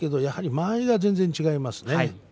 間合いは全然違いますね。